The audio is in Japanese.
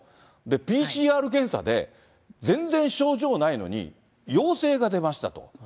ＰＣＲ検査で全然症状ないのに、陽性が出ましたと。